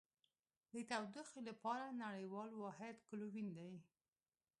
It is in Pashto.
د تودوخې لپاره نړیوال واحد کلوین دی.